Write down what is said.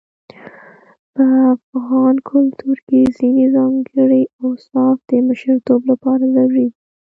په افغان کلتور کې ځينې ځانګړي اوصاف د مشرتوب لپاره ضروري دي.